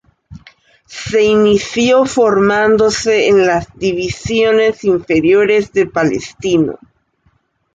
Se inició formándose en las divisiones inferiores de Palestino.